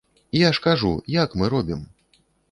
Я ж кажу, як мы робім?